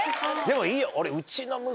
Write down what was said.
でもいいよ。